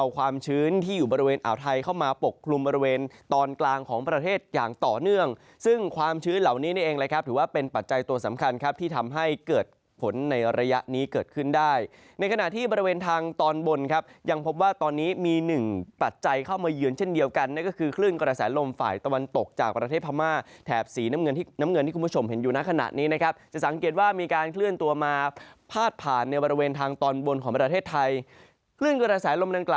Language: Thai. ความชื้นที่อยู่บริเวณอ่าวไทยเข้ามาปกคลุมบริเวณตอนกลางของประเทศอย่างต่อเนื่องซึ่งความชื้นเหล่านี้นี่เองเลยครับถือว่าเป็นปัจจัยตัวสำคัญครับที่ทำให้เกิดผลในระยะนี้เกิดขึ้นได้ในขณะที่บริเวณทางตอนบนครับยังพบว่าตอนนี้มีหนึ่งปัจจัยเข้ามาเยือนเช่นเดียวกันนั่นก็คือคลื่นก